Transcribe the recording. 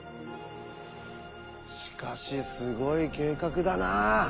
しかしすごい計画だな。